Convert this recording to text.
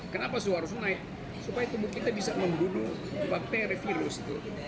kenapa suhu harus naik supaya tubuh kita bisa membunuh bakteri virus itu